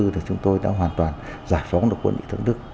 thì chúng tôi đã hoàn toàn giải phóng được quân địa thượng đức